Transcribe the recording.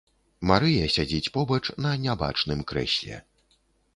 Марыя сядзіць побач на нябачным крэсле.